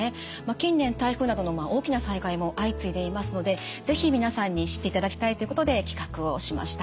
近年台風などの大きな災害も相次いでいますので是非皆さんに知っていただきたいということで企画をしました。